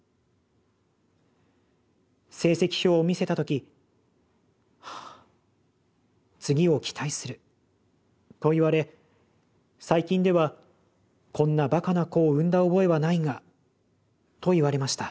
成績表を見せたとき『ハア次を期待する』と言われ最近では『こんなばかな子を産んだ覚えはないが』と言われました。